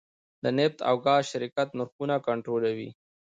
د نفت او ګاز شرکت نرخونه کنټرولوي؟